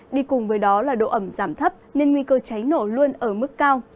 đi cùng với đó là độ ẩm giảm thấp nên nguy cơ cháy nổ luôn ở mức cao